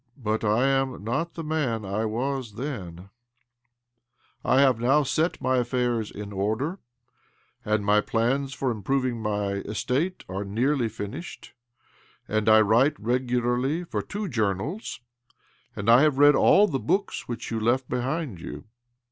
" But I am not the man I then was. I have now set my affairs in order, and my plans for im proving my estate are nearly finished, and I write regularly for two journals, and I have read all the books which you left behind you."